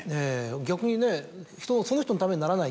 逆にね「その人のためにならない」っていう。